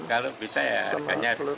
kalau bisa ya harganya